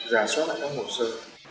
giả soát lại các hộp sơ